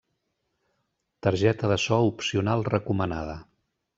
Targeta de so opcional recomanada.